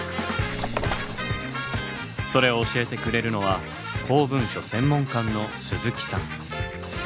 それを教えてくれるのは公文書専門官の鈴木さん。